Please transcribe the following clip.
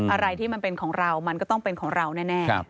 อะไรที่มันเป็นของเรามันก็ต้องเป็นของเราแน่